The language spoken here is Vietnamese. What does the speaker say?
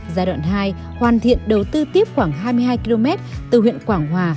giai đoạn hai hoàn thiện đầu tư tiếp khoảng hai mươi hai km từ huyện quảng hòa